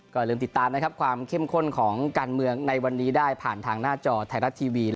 ก็ลืมติดตามความเข้มข้นของการเมืองในวันนี้ได้ผ่านทางหน้าจอไทยรัฐทีวี